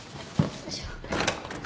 よいしょ。